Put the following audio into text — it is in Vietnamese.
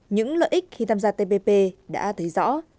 những lợi ích khi tham gia tpp đã thấy rõ